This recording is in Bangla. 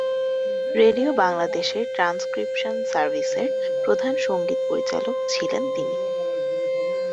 রেডিও বাংলাদেশের ট্রান্সক্রিপশন সার্ভিসের প্রধান সঙ্গীত পরিচালক ছিলেন তিনি।